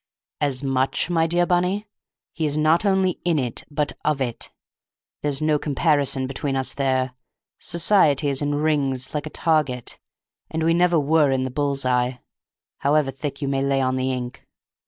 "As much, my dear Bunny? He is not only in it, but of it; there's no comparison between us there. Society is in rings like a target, and we never were in the bull's eye, however thick you may lay on the ink!